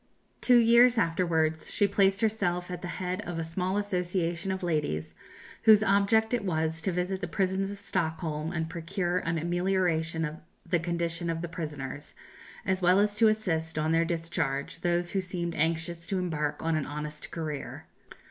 Two years afterwards, she placed herself at the head of a small association of ladies whose object it was to visit the prisons of Stockholm, and procure an amelioration of the condition of the prisoners, as well as to assist, on their discharge, those who seemed anxious to embark on an honest career.